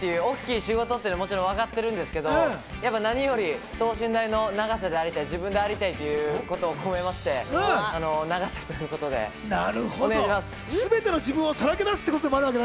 『２４時間テレビ』っていう大きい仕事っていうのはもちろんわかってるんですけど、なにより等身大の永瀬でありたい、自分でありたいという心を込めまして、「永瀬」ということでお願いします。